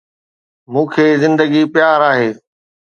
مون کي زندگي پيار آهي